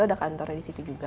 ada kantornya di situ juga